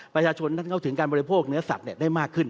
ประชาชนท่านเข้าถึงการบริโภคเนื้อสัตว์ได้มากขึ้น